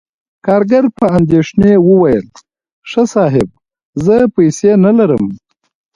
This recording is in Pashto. کارګر په اندیښنې وویل: "ښه، صاحب، زه پیسې نلرم..."